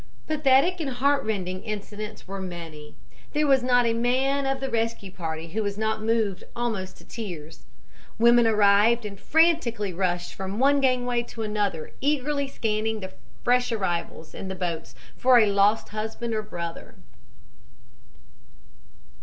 "Pathetic and heartrending incidents were many. There was not a man of the rescue party who was not moved almost to tears. Women arrived and frantically rushed from one gangway to another eagerly scanning the fresh arrivals in the boats for a lost husband or brother.